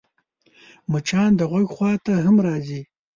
مچان د غوږ خوا ته هم راځي